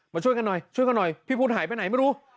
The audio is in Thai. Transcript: ช่วยกันหน่อยช่วยกันหน่อยพี่พุทธหายไปไหนไม่รู้